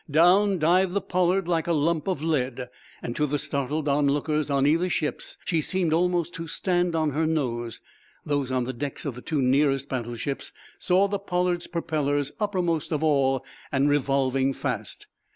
Down dived the "Pollard" like a lump of lead. To the startled onlookers on other ships she seemed almost to stand on her nose. Those on the decks of the two nearest battleships saw the "Pollard's" propellers uppermost of all, and revolving fast.